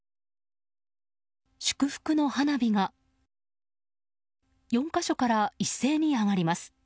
祝福の花火が４か所から一斉に上がります。